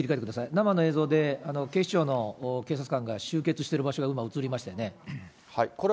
生の映像で、警視庁の警察官が集結している場所が今映りましたよね。